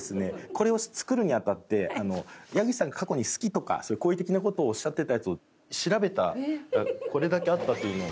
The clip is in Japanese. これを作るに当たって矢口さんが過去に好きとか好意的な事をおっしゃってたやつを調べたらこれだけあったというのを。